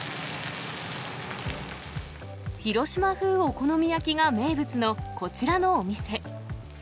広島風お好み焼きが名物の、こちらのお店。